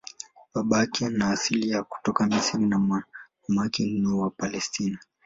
Babake ana asili ya kutoka Misri na mamake ni wa Palestina.